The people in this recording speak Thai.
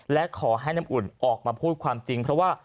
และขอให้น้ำอุ่นออกมาพูดความจริงเพราะว่า